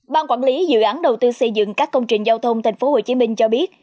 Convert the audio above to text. bàn quản lý dự án đầu tư xây dựng các công trình giao thông thành phố hồ chí minh cho biết